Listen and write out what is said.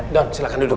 don silahkan duduk